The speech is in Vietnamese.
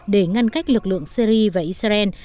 để ngăn cách lực lượng syri và israel